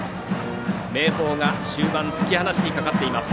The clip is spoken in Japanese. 明豊が終盤突き放しにかかっています。